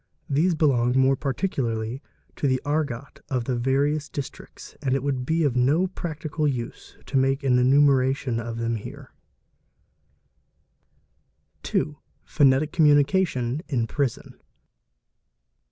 These belong more particularly to the argot of the various listricts and it would be of no practical use to make an enumeration of h om here 697 599), ee ee ee a ae 'x 2. Phonetic communication in prison.